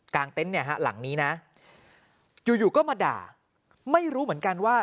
กางเต้นหลังนี้อยู่ก็มาด่าไม่รู้เหมือนกันว่า